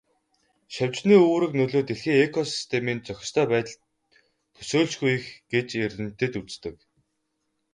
Шавжны үүрэг нөлөө дэлхийн экосистемийн зохистой байдалд төсөөлшгүй их гэж эрдэмтэд үздэг.